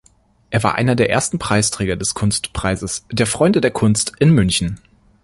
Er war einer der ersten Preisträger des Kunstpreises der „Freunde der Kunst“ in München.